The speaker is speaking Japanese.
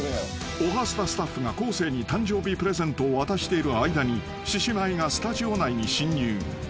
［『おはスタ』スタッフが昴生に誕生日プレゼントを渡している間に獅子舞がスタジオ内に侵入］